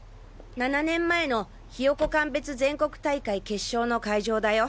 ７年前のヒヨコ鑑別全国大会決勝の会場だよ。